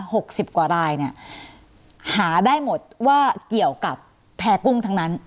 หกสิบกว่ารายเนี่ยหาได้หมดว่าเกี่ยวกับแพร่กุ้งทั้งนั้น